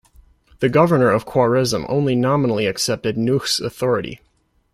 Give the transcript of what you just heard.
The governor of Khwarazm only nominally accepted Nuh's authority.